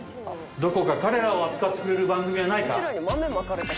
どこか彼らを扱ってくれる番組はないか？